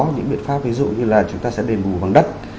những biện pháp ví dụ như là chúng ta sẽ đền bù bằng đất